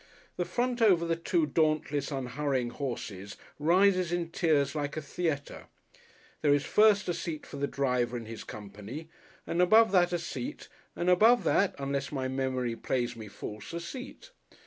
The front over the two dauntless unhurrying horses rises in tiers like a theatre; there is first a seat for the driver and his company, and above that a seat and above that, unless my memory plays me false, a seat.